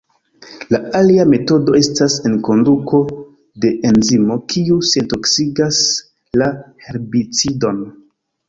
La alia metodo estas enkonduko de enzimo, kiu sentoksigas la herbicidon.